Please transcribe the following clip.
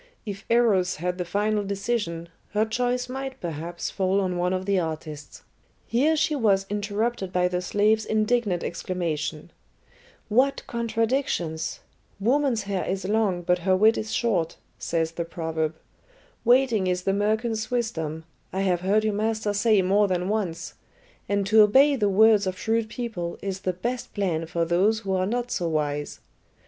If Eros had the final decision, her choice might perhaps fall on one of the artists. Here she was interrupted by the slave's indignant exclamation: "What contradictions! 'Woman's hair is long, but her wit is short,' says the proverb. 'Waiting is the merchant's wisdom,' I have heard your master say more than once, and to obey the words of shrewd people is the best plan for those who are not so wise.